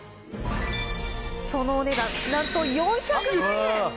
そのお値段、なんと４００万円。